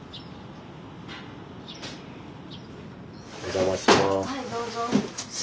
お邪魔します。